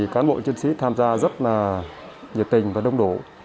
cán bộ chiến sĩ tham gia rất là nhiệt tình và đông đủ